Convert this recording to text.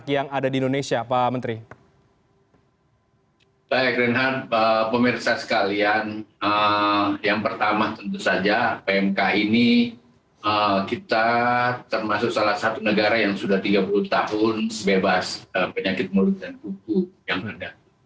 baik pemirsa sekalian yang pertama tentu saja pmk ini kita termasuk salah satu negara yang sudah tiga puluh tahun sebebas penyakit mulut dan kuku yang ada